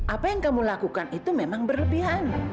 apa yang kamu lakukan itu memang berlebihan